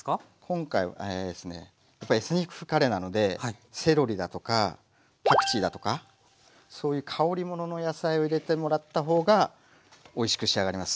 今回はえあれですねやっぱエスニック風カレーなのでセロリだとかパクチーだとかそういう香りものの野菜を入れてもらった方がおいしく仕上がります。